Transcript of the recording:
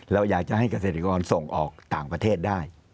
เราอยากจะให้เกษตรกรส่งออกต่างประเทศได้